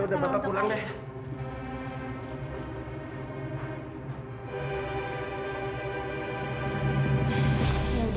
udah bapak pulang deh